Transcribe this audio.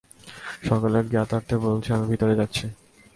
সকলের জ্ঞাতার্থে বলছি, আমি ভেতরে যাচ্ছি।